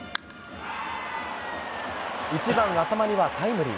１番、淺間にはタイムリー。